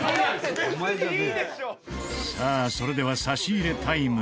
さあそれでは差し入れタイム